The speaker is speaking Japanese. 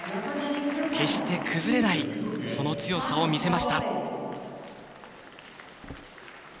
決して崩れないその強さを見せました。